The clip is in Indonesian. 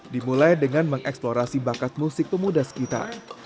dimulai dengan mengeksplorasi bakat musik pemudas kita